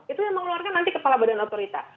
itu yang mengeluarkan nanti kepala badan otorita